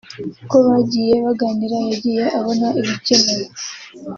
uko bagiye baganira yagiye abona ibikenewe